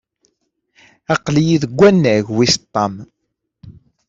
Aql-iyi deg wannag wis ṭam.